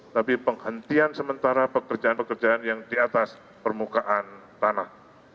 tapi penghentian sementara pekerjaan pekerjaan yang di atas permukaan tanah